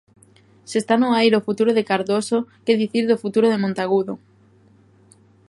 Se está no aire o futuro de Cardoso, que dicir do futuro de Monteagudo!